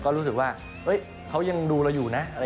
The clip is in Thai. ก็รู้สึกว่าเขายังดูเราอยู่นะ